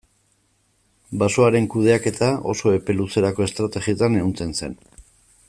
Basoaren kudeaketa oso epe luzerako estrategietan ehuntzen zen.